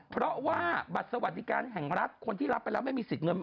เพราะว่าบัตรสวัสดิการแห่งรัฐคนที่รับไปแล้วไม่มีสิทธิ์เงิน